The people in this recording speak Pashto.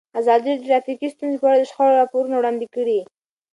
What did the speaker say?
ازادي راډیو د ټرافیکي ستونزې په اړه د شخړو راپورونه وړاندې کړي.